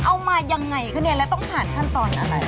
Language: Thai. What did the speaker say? เอามายังไงคะเนี่ยแล้วต้องผ่านขั้นตอนอะไร